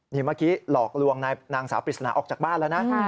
นี่เมื่อกี้หลอกลวงนางสาวปริศนาออกจากบ้านแล้วนะ